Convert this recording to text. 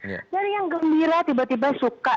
jadi yang gembira tiba tiba suka